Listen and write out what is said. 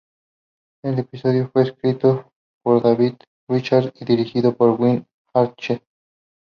El episodio fue escrito por David Richardson y dirigido por Wes Archer.